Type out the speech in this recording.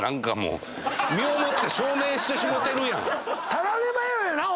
たらればやよ